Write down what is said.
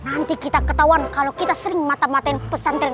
nanti kita ketauan kalo kita sering mata mata pesan tren